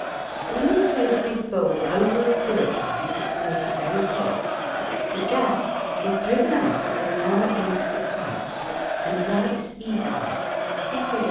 When we place this bowl over a spirit lamp and make it very hot, the gas is driven out at the narrow end of the pipe and lights easily (see Fig.